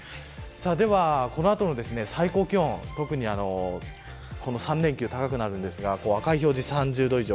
では、この後の最高気温３連休、高くなりますが赤い表示３０度以上。